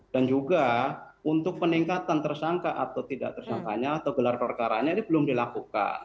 dan juga untuk peningkatan tersangka atau tidak tersangkanya atau gelar perkara ini belum dilakukan